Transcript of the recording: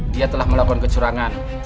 dia telah melakukan kecurangan